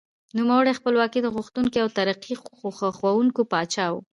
نوموړی خپلواکي غوښتونکی او ترقي خوښوونکی پاچا و.